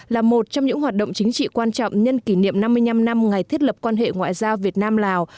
là một trong những hoạt động chính trị quan trọng nhân kỷ niệm năm mươi năm năm ngày thiết lập quan hệ ngoại giao việt nam lào